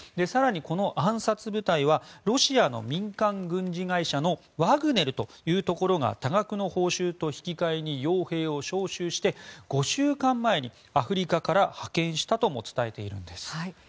更に、この暗殺部隊はロシアの民間軍事会社のワグネルというところが多額の報酬と引き換えに傭兵を招集して５週間前にアフリカから派遣したとも伝えているんです。